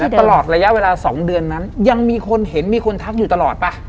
ตลอดระยะเวลา๒เดือนนั้นยังมีคนเห็นมีคนทักอยู่ตลอดป่ะ